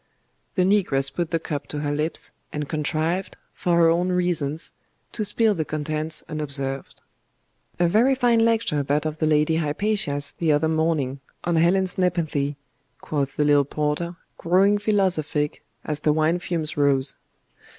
The negress put the cup to her lips, and contrived, for her own reasons, to spill the contents unobserved. 'A very fine lecture that of the Lady Hypatia's the other morning, on Helen's nepenthe,' quoth the little porter, growing philosophic as the wine fumes rose.